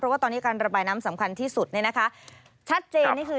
ว่าตอนนี้การระบายน้ำสำคัญที่สุดเนี่ยนะคะชัดเจนนี่คือ